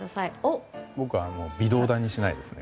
僕は微動だにしないですね。